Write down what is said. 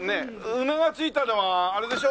「うめ」が付いたのはあれでしょ？